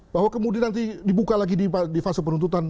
bahwa kemudian nanti dibuka lagi di fase penuntutan